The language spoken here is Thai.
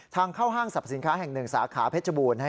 ทางเข้าห้างสรรพสินค้าแห่ง๑สาขาเพชรบูรณ์